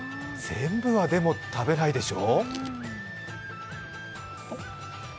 全部はでも食べないでしょ？